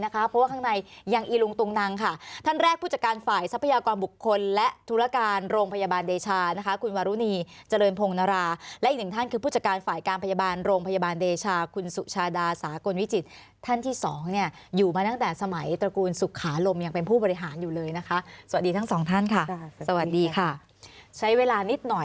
เพราะว่าข้างในยังอีลุงตุงนังค่ะท่านแรกผู้จัดการฝ่ายทรัพยากรบุคคลและธุรการโรงพยาบาลเดชานะคะคุณวารุณีเจริญพงนราและอีกหนึ่งท่านคือผู้จัดการฝ่ายการพยาบาลโรงพยาบาลเดชาคุณสุชาดาสากลวิจิตรท่านที่สองเนี่ยอยู่มาตั้งแต่สมัยตระกูลสุขาลมยังเป็นผู้บริหารอยู่เลยนะคะสวัสดีทั้งสองท่านค่ะสวัสดีค่ะใช้เวลานิดหน่อย